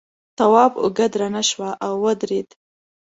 تواب اوږه درنه شوه او ودرېد.